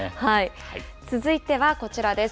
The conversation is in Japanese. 続いてはこちらです。